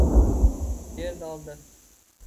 Berdi-oldi!